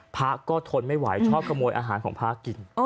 พระก็ทนไม่ไหวชอบขโมยอาหารของพระกิน